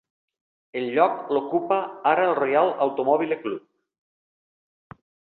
El lloc l'ocupa ara el Royal Automobile Club.